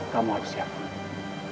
kamu harus siapkan